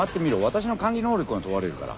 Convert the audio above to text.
私の管理能力が問われるから。